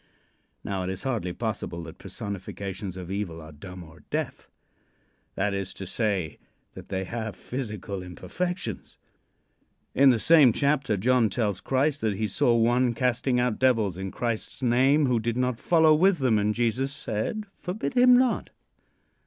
Now, it is hardly possible that personifications of evil are dumb or deaf. That is to say, that they have physical imperfections. In the same chapter John tells Christ that he saw one casting out devils in Christ's name who did not follow with them, and Jesus said: "Forbid him not."